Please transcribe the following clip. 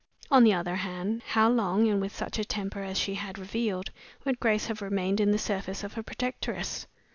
On the other hand, how long (with such a temper as she had revealed) would Grace have remained in the service of her protectress?